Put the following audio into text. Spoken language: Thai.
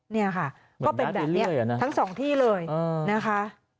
นี่ค่ะก็เป็นแบบนี้ทั้งสองที่เลยนะคะ